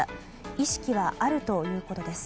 意識はあるということです。